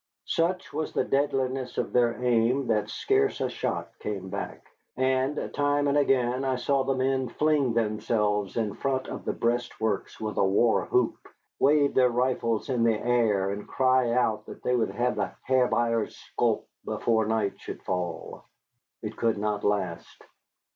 Such was the deadliness of their aim that scarce a shot came back, and time and again I saw men fling themselves in front of the breastworks with a war whoop, wave their rifles in the air, and cry out that they would have the Ha'r Buyer's sculp before night should fall. It could not last.